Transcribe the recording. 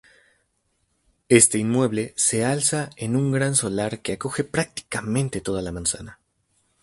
Este inmueble se alza en un gran solar que acoge prácticamente toda la manzana.